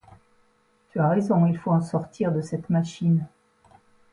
Tu as raison, il faut en sortir, de cette machine.